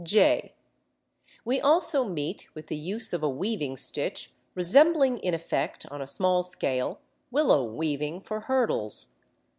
] (j) We also meet with the use of a weaving stitch resembling in effect, on a small scale, willow weaving for hurdles.